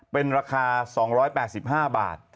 เป็นราคา๒๘๕บาท